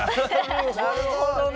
なるほどね。